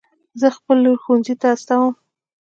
زه خپله لور ښوونځي ته استوم